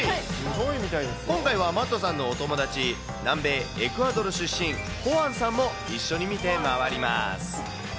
今回はマットさんのお友達、南米エクアドル出身、ホアンさんも一緒に見て回ります。